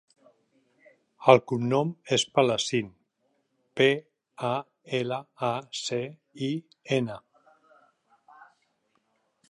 El cognom és Palacin: pe, a, ela, a, ce, i, ena.